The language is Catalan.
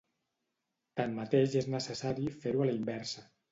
Tanmateix és necessari fer-ho a la inversa.